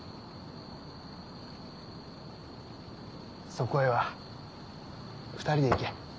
そこへは２人で行け。